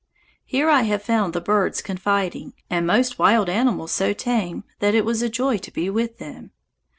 Here I have found the birds confiding, and most wild animals so tame that it was a joy to be with them.